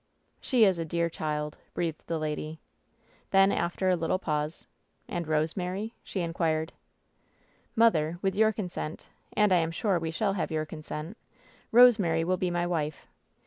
"She is a dear child," breathed the lady. Then, after a little pause — "And Rosemary ?" she inquired. "Mother, with your consent — and I am sure we shall have your consent — Rosemary will be my wife.